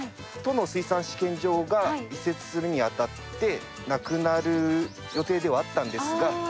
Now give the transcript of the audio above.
都の水産試験場が移設するにあたってなくなる予定ではあったんですが。